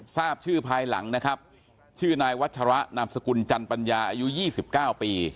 ทราบชื่อภายหลังนะครับชื่อนายวัชระนามสกุลจันปัญญาอายุ๒๙ปี